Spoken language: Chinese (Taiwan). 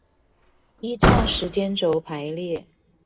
依照時間軸排列